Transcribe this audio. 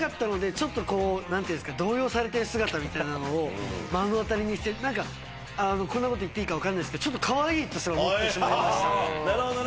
ちょっと動揺されてる姿みたいなのを目の当たりにしてこんなこと言っていいか分かんないんすけどカワイイとすら思ってしまいました。